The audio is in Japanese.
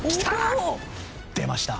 出ました。